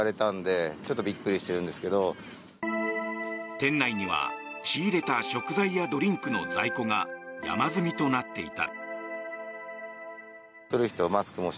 店内には仕入れた食材やドリンクの在庫が山積みとなっていた。